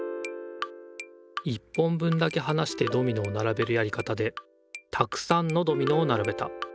１本分だけはなしてドミノをならべるやり方でたくさんのドミノをならべた。